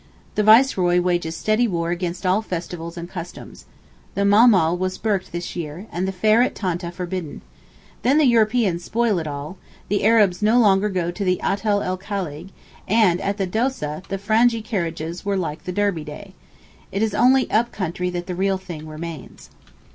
The Viceroy wages steady war against all festivals and customs. The Mahmal was burked this year, and the fair at Tantah forbidden. Then the Europeans spoil all; the Arabs no longer go to the Ata el Khalig, and at the Dóseh, the Frangee carriages were like the Derby day. It is only up country that the real thing remains.